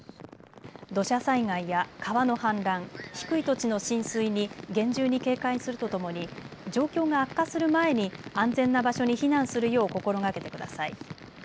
土砂災害や川の氾濫、低い土地の浸水に厳重に警戒するとともに状況が悪化する前に安全な場所に避難するよう心がけてください。